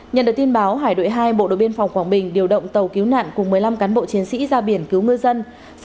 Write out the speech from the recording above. nhận được tin báo hải đội hai bộ đội biên phòng quảng bình điều động tàu cứu nạn cùng một mươi năm cán bộ chiến sĩ ra biển cứu ngư dân